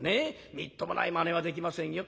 みっともないまねはできませんよ。